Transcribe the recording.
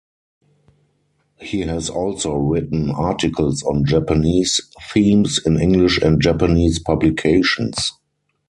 He has also written articles on Japanese themes in English and Japanese publications.